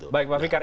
baik pak fikar